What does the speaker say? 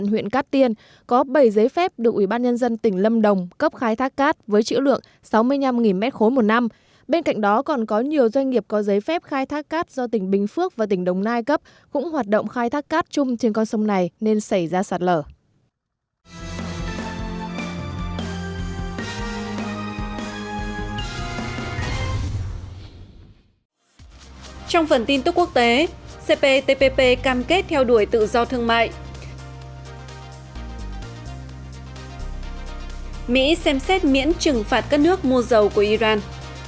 mỹ xem xét miễn trừng phạt các nước mua dầu của iran